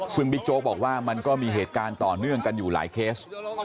ซึ่งบิ๊กโจ๊กบอกว่ามันก็มีเหตุการณ์ต่อเนื่องกันอยู่หลายเคส